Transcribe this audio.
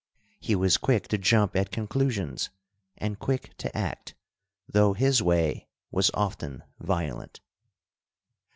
He was quick to jump at conclusions, and quick to act, though his way was often violent.